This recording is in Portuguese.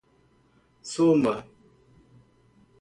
soma